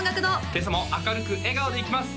今朝も明るく笑顔でいきます